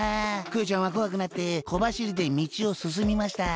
クヨちゃんはこわくなってこばしりでみちをすすみました。